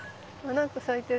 何か咲いてる。